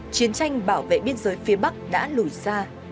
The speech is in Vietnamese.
chiến tranh bảo vệ biên giới phía bắc đã lùi xa